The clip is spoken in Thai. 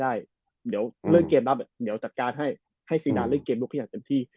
เดี๋ยวจัดการให้ซีลานเล่นเกมรูปให้เป็นเต็มที่